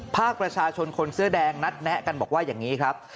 ภาคประชาชนคนเสื้อแดงนัดแนะกันบอกว่าอย่างนี้ครับ